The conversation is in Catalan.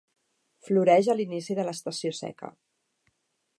Floreix a l'inici de l'estació seca.